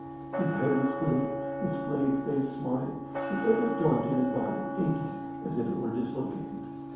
His head was splitting, his flayed face smarting, and every joint in his body aching as if it were dislocated.